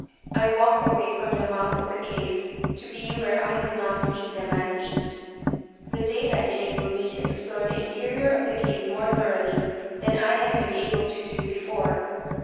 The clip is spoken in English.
I walked away from the mouth of the cave to be where I could not see the man eat. The daylight enabled me to explore the interior of the cave more thoroughly than I had been able to do before.